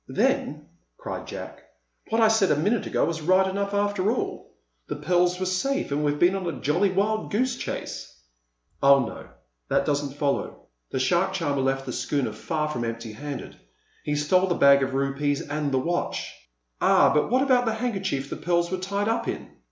"Then," cried Jack, "what I said a minute ago was right enough, after all. The pearls were safe, and we've been on a jolly wild goose chase." "Oh, no; that doesn't follow. The shark charmer left the schooner far from empty handed. He stole the bag of rupees and the watch." "Ah, but what about the handkerchief the pearls were tied up in?"